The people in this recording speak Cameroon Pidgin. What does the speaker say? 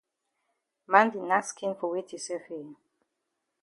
Man di nack skin for weti sef eh?